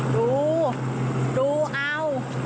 ดูดูเอา